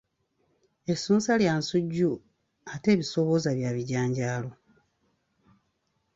Essunsa lya nsujju ate ebisoobooza bya bijanjaalo.